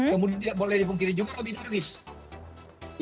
kemudian tidak boleh dipungkiri juga robby darwish